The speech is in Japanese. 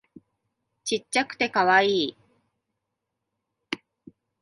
ちっちゃくてカワイイ